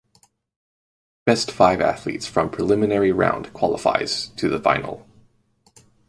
Best five athletes from preliminary round qualifies to the final.